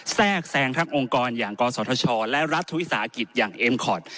แทรกแซงทั้งองค์กรอย่างกศธชและรัฐวิสาหกิจอย่างเอ็มคอร์ด